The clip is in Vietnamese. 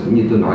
như tôi nói